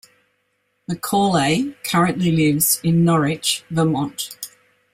Macaulay currently lives in Norwich, Vermont.